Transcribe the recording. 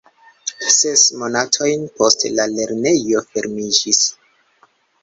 Ses monatojn poste la lernejo fermiĝis.